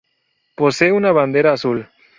Posee una bandera azul.